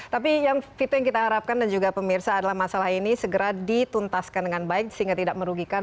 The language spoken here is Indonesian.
tapi yang kita harapkan dan juga pemirsa adalah masalah ini segera dituntaskan dengan baik sehingga tidak merugikan